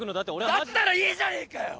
だったらいいじゃねえかよ！